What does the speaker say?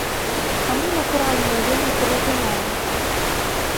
Таму, натуральна, я вельмі перажываю.